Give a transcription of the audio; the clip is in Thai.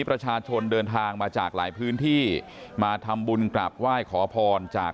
ประชาชนเดินทางมาจากหลายพื้นที่มาทำบุญกราบไหว้ขอพรจาก